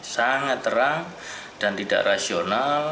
sangat terang dan tidak rasional